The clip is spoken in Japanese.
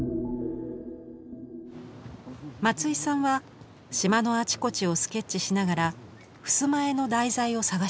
松井さんは島のあちこちをスケッチしながら襖絵の題材を探していきます。